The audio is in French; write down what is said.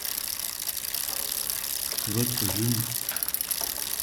Votre genou.